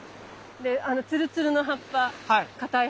であのツルツルの葉っぱ硬い